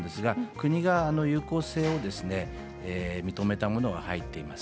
国が有効性を認めたものが入っています。